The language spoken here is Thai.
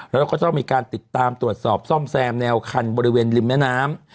แล้วก็จะต้องมีการติดตามตรวจสอบซ่อมแซมแนวคันบริเวณริมแม่น้ำ